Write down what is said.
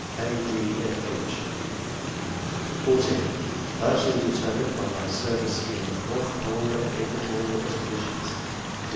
(a, d,fyh) (14) "Largely determined by my service in north polar and equatorial expeditions.''